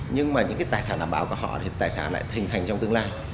nhưng mà những cái tài sản đảm bảo của họ thì tài sản lại hình thành trong tương lai